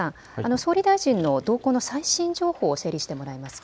総理大臣の同行の最新情報を整理してもらえますか。